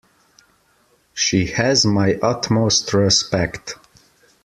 She has my utmost respect.